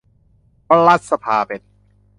เพราะรัฐสภาเป็น